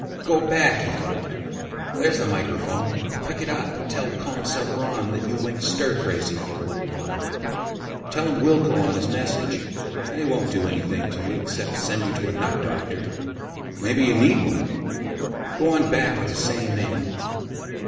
Go back, he thought. _There's the microphone. Pick it up and tell Commsubron that you went stir crazy for a little while. Tell him wilco on his message. They won't do anything to you except send you to a nut doctor. Maybe you need one. Go on back like a sane man.